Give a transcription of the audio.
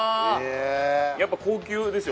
やっぱ高級ですよ